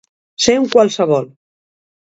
Ser un qualsevol.